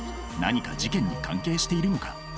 何か事件に関係しているのか？